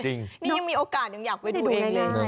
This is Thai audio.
นี่ยังมีโอกาสยังอยากไปดูเองเลย